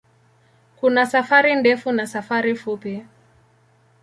Kuna safari ndefu na safari fupi.